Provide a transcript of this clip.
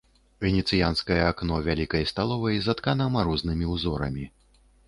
Венецыянскае акно вялікай сталовай заткана марознымі ўзорамі.